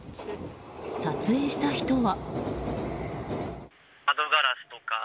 撮影した人は。